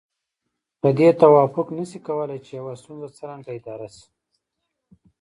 په دې توافق نشي کولای چې يوه ستونزه څرنګه اداره شي.